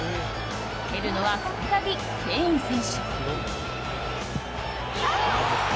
蹴るのは再びケイン選手。